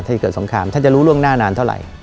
ถ้าเกิดสงครามท่านจะรู้ล่วงหน้านานเท่าไหร่